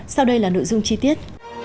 sau đây là nội dung chi tiết